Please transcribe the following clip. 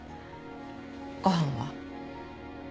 ご飯は？